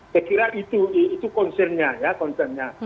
saya kira itu concern nya ya concern nya